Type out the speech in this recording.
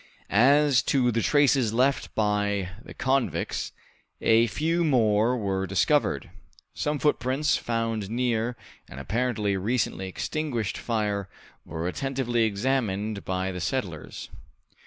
As to the traces left by the convicts, a few more were discovered. Some footprints found near an apparently recently extinguished fire were attentively examined by the settlers.